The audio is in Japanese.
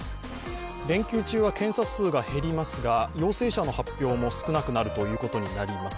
連休中は検査数が減りますが陽性者の発表も少なくなるということです。